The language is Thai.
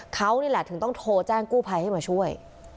เขานี่แหละถึงต้องโทรแจ้งกู้ภัยให้มาช่วย